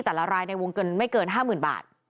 รายในวงเงินไม่เกิน๕๐๐๐บาท